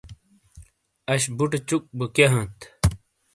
اَش بُٹے چُک بو کِیئے ہانت؟